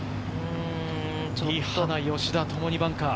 リ・ハナ、吉田、ともにバンカー。